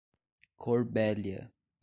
Corbélia